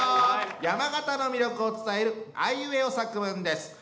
山形の魅力を伝えるあいうえお作文です。